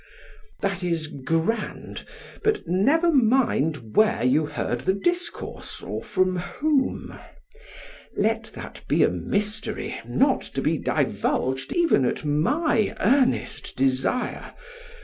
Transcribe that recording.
PHAEDRUS: That is grand: but never mind where you heard the discourse or from whom; let that be a mystery not to be divulged even at my earnest desire.